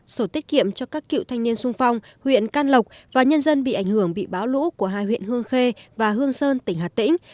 sổ tiết kiệm cho các cựu thanh niên sung phong huyện can lộc và nhân dân bị ảnh hưởng bị bão lũ của hai huyện hương khê và hương sơn tỉnh hà tĩnh